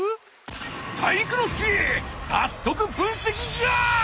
体育ノ介さっそく分せきじゃ！